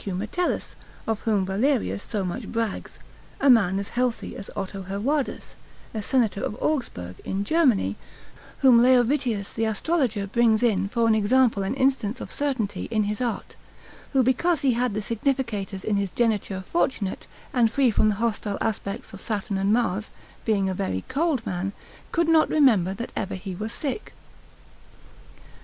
Metellus, of whom Valerius so much brags; a man as healthy as Otto Herwardus, a senator of Augsburg in Germany, whom Leovitius the astrologer brings in for an example and instance of certainty in his art; who because he had the significators in his geniture fortunate, and free from the hostile aspects of Saturn and Mars, being a very cold man, could not remember that ever he was sick.